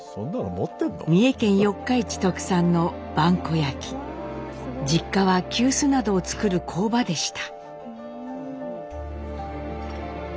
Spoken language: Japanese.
三重県四日市特産の実家は急須などを作る工場でした。